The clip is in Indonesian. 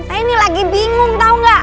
saya ini lagi bingung tau gak